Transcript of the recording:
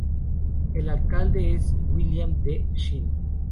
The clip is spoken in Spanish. El alcalde es William D. Shinn.